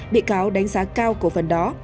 bị cáo đánh giá cao cổ phần đó